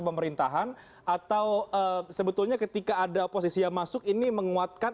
pemerintahan atau sebetulnya ketika ada posisi yang masuk ini menguatkan